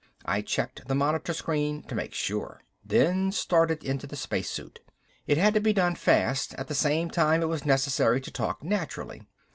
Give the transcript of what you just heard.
I checked the monitor screen to make sure, then started into the spacesuit. It had to be done fast, at the same time it was necessary to talk naturally.